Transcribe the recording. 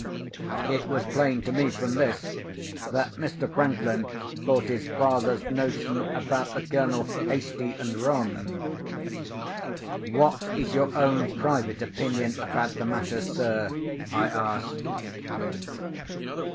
It was plain to me from this, that Mr. Franklin thought his father's notion about the Colonel hasty and wrong. "What is your own private opinion about the matter, sir?" I asked.